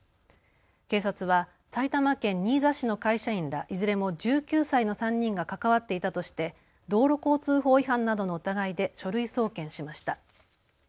警察は埼玉県新座市の会社員らいずれも１９歳の３人が関わっていたとして道路交通法違反などの疑いで書類送検しました。